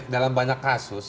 dalam banyak kasus